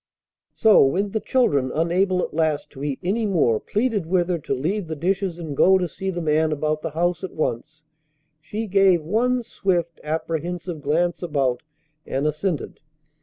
So, when the children, unable at last to eat any more, pleaded with her to leave the dishes and go to see the man about the house at once, she gave one swift, apprehensive glance about, and assented.